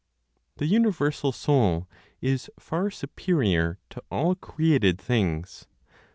The universal Soul is far superior to all created things.